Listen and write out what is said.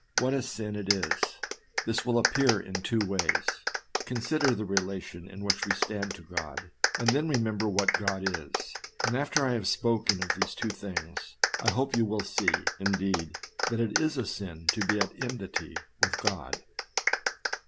What a sin it is! This will appear in two ways. Consider the relation in which we stand to God, and then remember what God is ; and after I have spoken of these two things, I hope you will see, indeed, that it is a sin to be at enmity with God.